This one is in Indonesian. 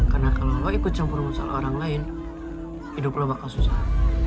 karena kalau lo ikut campur masalah orang lain hiduplah bakal susah